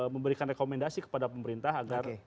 memberikan rekomendasi kepada pemerintah agar